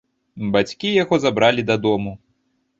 Бацькі яго забралі дадому.